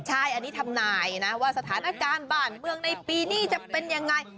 ใช่อันนี้ทำนายนะว่าสถานการณ์บ้านเมืองในปีนี้จะเป็นยังไง